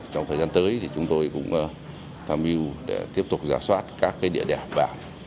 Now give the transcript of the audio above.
trong thời gian tới chúng tôi cũng tham mưu để tiếp tục giả soát các địa đề bản